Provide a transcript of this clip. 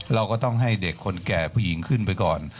เราก็ต้องให้เด็กคนแก่ผู้หญิงขึ้นไปก่อน